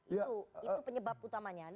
itu penyebab utamanya